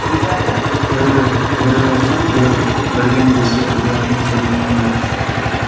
ھۆ. ھۆ. ھۆ. بەرگىن بىزگە ئىلاھىم بىر، يېڭى ھاياتلىق.